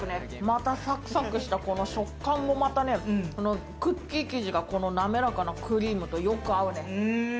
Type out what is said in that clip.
またサクサクした食感もまたね、クッキー生地が、このなめらかなクリームとよく合うね。